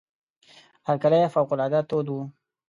هرکلی فوق العاده تود وو.